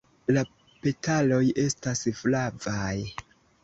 La petaloj estas flavaj.